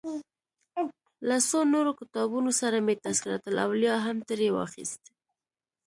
له څو نورو کتابونو سره مې تذکرة الاولیا هم ترې واخیست.